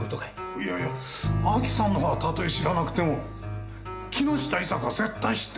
いやいやアキさんの方はたとえ知らなくても木下伊沙子は絶対知ってますね。